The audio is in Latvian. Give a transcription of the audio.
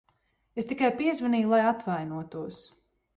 Es tikai piezvanīju, lai atvainotos.